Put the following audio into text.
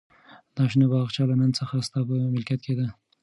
دا شنه باغچه له نن څخه ستا په ملکیت کې ده.